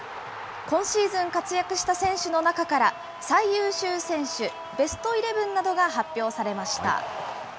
今シーズン活躍した選手の中から、最優秀選手、ベストイレブンなどが発表されました。